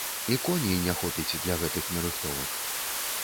І коней не хопіць для гэтых нарыхтовак.